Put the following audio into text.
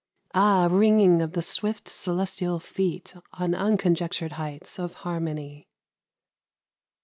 Ah, ringing of the swift celestial feet On unconjectured heights of harmony!